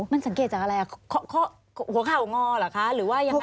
มันสังเกตจากอะไรหัวเข่างอเหรอคะหรือว่ายังไง